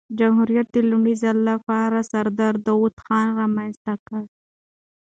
جمهوریت د لومړي ځل له پاره سردار داود خان رامنځ ته کړ.